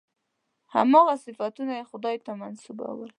هماغه صفتونه یې خدای ته منسوبول.